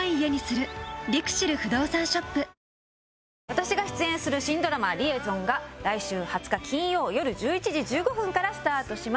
私が出演する新ドラマ『リエゾン』が来週２０日金曜よる１１時１５分からスタートします。